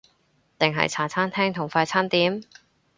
定係茶餐廳同快餐店？